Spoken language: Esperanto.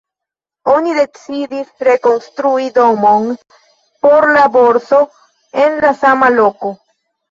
Oni decidis rekonstrui domon por la borso en la sama loko.